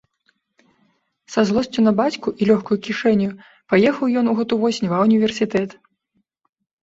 Са злосцю на бацьку і лёгкаю кішэняю паехаў ён у гэтую восень ва універсітэт.